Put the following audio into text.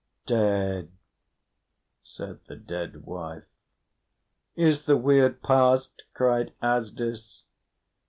"Dead," said the dead wife. "Is the weird passed?" cried Asdis.